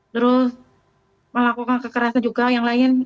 terus melakukan kekerasan juga yang lain